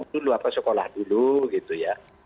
dulu apa sekolah dulu gitu ya